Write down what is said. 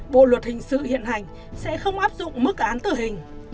bộ luật hình sự hiện hành sẽ không áp dụng mức án tử hình